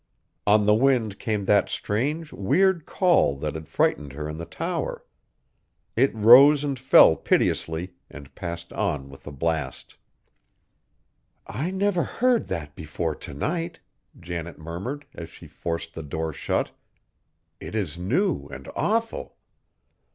On the wind came that strange, weird call that had frightened her in the tower. It rose and fell piteously, and passed on with the blast. "I never heard that before to night!" Janet murmured, as she forced the door shut; "it is new and awful!"